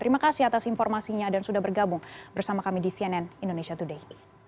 terima kasih atas informasinya dan sudah bergabung bersama kami di cnn indonesia today